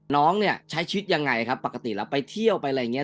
น้องเนี่ยใช้ชีวิตยังไงครับปกติแล้วไปเที่ยวไปอะไรอย่างนี้